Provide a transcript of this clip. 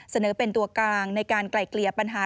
เสนอเป็นตัวกลางในการไกลเกลี่ยปัญหา